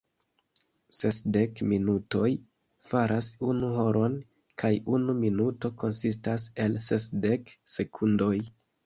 Sesdek minutoj faras unu horon, kaj unu minuto konsistas el sesdek sekundoj.